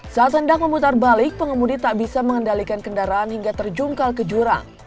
saat hendak memutar balik pengemudi tak bisa mengendalikan kendaraan hingga terjungkal ke jurang